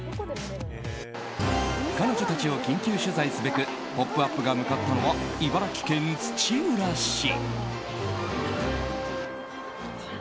彼女たちを緊急取材すべく「ポップＵＰ！」が向かったのは茨城県土浦市。